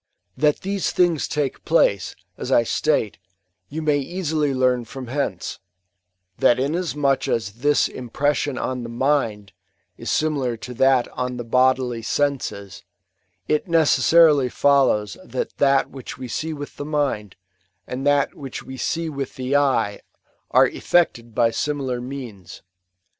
That these things take place, as I state, you may easily learn from hence ; that inasmuch as this impression on the mind* is similar to that on the bodily senses, it necessarily follows that thai which we see with the mind, and that toMch die fMwith the eye, are effected by similar means.